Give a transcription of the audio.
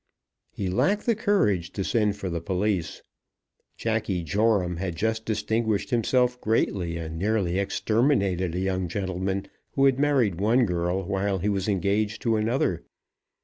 He lacked the courage to send for the police. Jacky Joram had just distinguished himself greatly, and nearly exterminated a young gentleman who had married one girl while he was engaged to another.